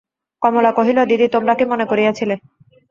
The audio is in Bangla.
কমলা কহিল, দিদি, তোমরা কী মনে করিয়াছিলে?